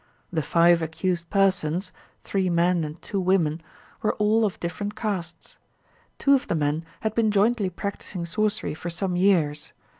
The five accused persons (three men and two women) were all of different castes. Two of the men had been jointly practising sorcery for some years.